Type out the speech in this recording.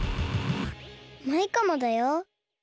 マイカもだよ。